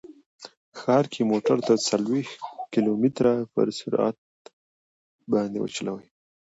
ښار کې موټر تر څلوېښت کیلو متره پورې په ساعت باندې وچلوئ